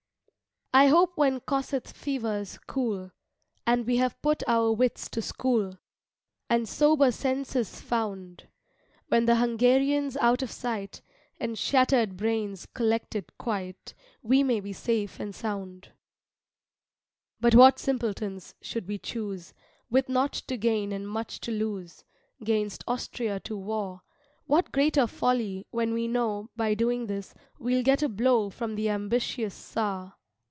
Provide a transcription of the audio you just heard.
I hope when Kossuth fever's cool And we have put our wits to school, And sober senses found; When the Hungarian's out of sight And shattered brains collected quite, We may be safe and sound. But what simpletons, should we choose, With nought to gain and much to loose, 'Gainst Austria to war; What greater folly, when we know By doing this, we'll get a blow From the ambitious Czar.